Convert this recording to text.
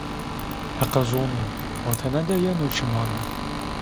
Heqa Zonu” vatene de yeno çı mane?